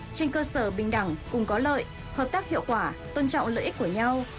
trên cơ sở bình đẳng cùng có lợi hợp tác hiệu quả tôn trọng lợi ích của nhau